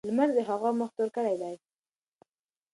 لمر د هغه مخ تور کړی دی.